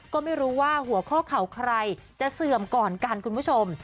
ก็ไม่รู้ว่าหัวข้อเข่าใครจะเสื่อมก่อนกันคุณผู้ชม